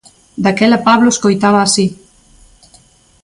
Daquela Pablo escoitaba así.